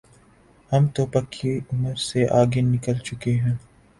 ہم تو پکی عمر سے آگے نکل چکے ہیں۔